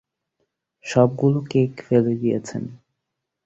সবগুলো কেক ফেলে দিয়েছেন।